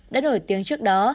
đã nổi tiếng trước đó